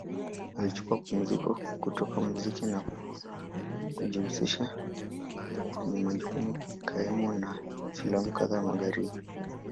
Alichukua mapumziko kutoka muziki na kujihusisha kwenye majukumu kaimu na filamu kadhaa Magharibi.